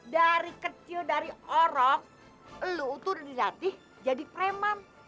dari kecil dari orok lu itu udah dilatih jadi premam